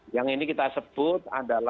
yang ini kita sebut